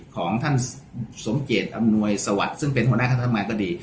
ของท่านสมเกตอำนวยสวัสดิ์ซึ่งเป็นหัวหน้าคณะทำงานก็ดี